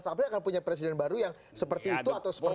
sampai akan punya presiden baru yang seperti itu atau seperti itu